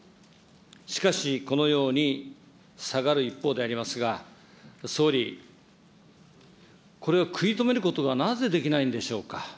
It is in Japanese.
しかし、このように下がる一方でありますが、総理、これを食い止めることがなぜできないんでしょうか。